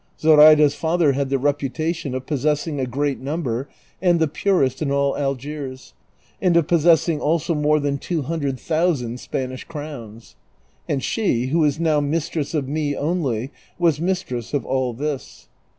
Zoraida's father had the reputation of possessing^ a great number, and the purest in all Algiers, and of possessing also more than two hundred thousand Spanish crowns ; and she, who is now mistress of me only, was mistress of all this.